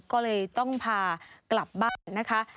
ก็เลยต้องพากลับบ้านนะคะ